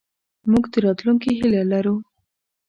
موږ د راتلونکې هیله لرو.